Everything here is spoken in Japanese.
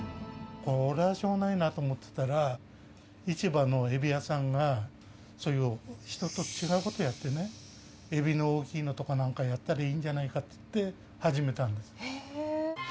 こりゃあしょうがないなと思ってたら、市場のえび屋さんが、そういう人と違うことをやってね、えびの大きいのとかなんかやったらいいんじゃないかって言って、始めたんです。